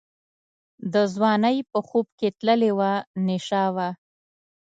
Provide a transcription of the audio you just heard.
د ځوانۍ په خوب کي تللې وه نشه وه